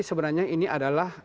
sebenarnya ini adalah